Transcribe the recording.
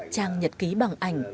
trang nhật ký bằng ảnh